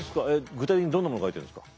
具体的にどんなもの書いてるんですか？